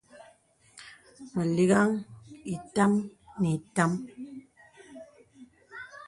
Mə liŋhəŋ itām ni itām.